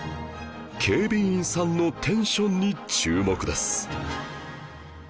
警備員さんのテンションに注目です